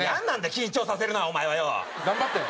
緊張させるなあお前はよ。頑張ってね。